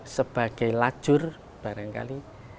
sebagai lajur barangkali